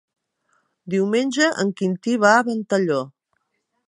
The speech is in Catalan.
Diumenge en Quintí va a Ventalló.